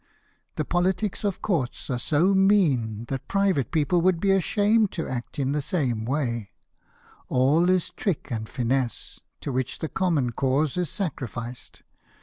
The politics of courts are so mean that private people would be ashamed to act in the same way : all is trick d^ndi finesse, to which the common cause is sacrificed.